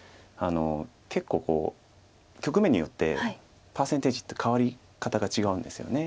結構局面によってパーセンテージって変わり方が違うんですよね。